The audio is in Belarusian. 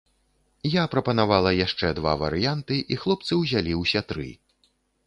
Я прапанавала яшчэ два варыянты і хлопцы ўзялі ўсе тры.